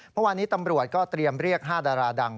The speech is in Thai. เมื่อวานี้ตำรวจก็เตรียมเรียก๕ดาราดัง